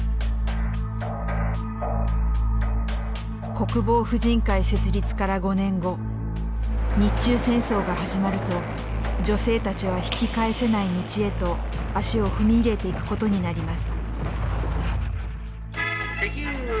国防婦人会設立から５年後日中戦争が始まると女性たちは引き返せない道へと足を踏み入れていくことになります。